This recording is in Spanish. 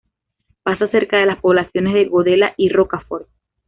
Pasa cerca de las poblaciones de Godella y Rocafort.